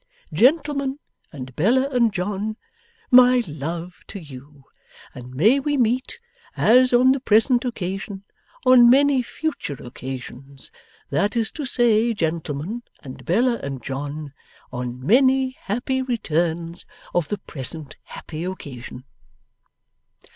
Gentlemen and Bella and John my love to you, and may we meet, as on the present occasion, on many future occasions; that is to say, gentlemen and Bella and John on many happy returns of the present happy occasion.